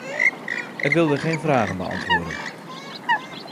Het wilde geen vragen beantwoorden.